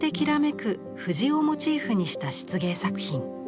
藤をモチーフにした漆芸作品。